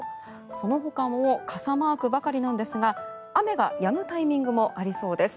そのほかも傘マークばかりなんですが雨がやむタイミングもありそうです。